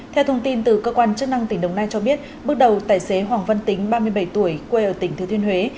theo thông tin từ cơ quan chức năng tỉnh đồng nai cho biết bước đầu tài xế hoàng văn tính ba mươi bảy tuổi quê ở tỉnh thứ thiên huế